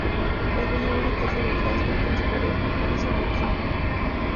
Es dueño de una casa en Glasgow con su pareja, Alison McKinnon.